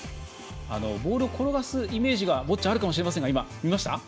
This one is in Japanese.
ボールを転がすイメージがボッチャにあるかもしれませんが今、見ました？